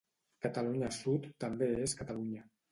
Catalunya sud també és Catalunya.